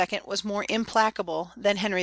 was more implacable than Henry II.